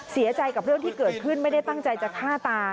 เสียใจกับเรื่องที่เกิดขึ้นไม่ได้ตั้งใจจะฆ่าตา